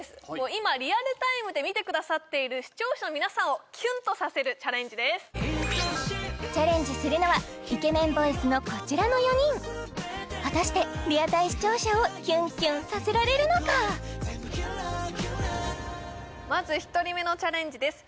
今リアルタイムで見てくださっている視聴者の皆さんをキュンとさせるチャレンジですチャレンジするのはイケメンボイスのこちらの４人果たしてリアタイ視聴者をキュンキュンさせられるのかまず１人目のチャレンジです